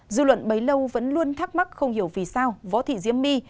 dư luận bấy lâu vẫn luôn thắc mắc không hiểu vì sao võ thị diễm my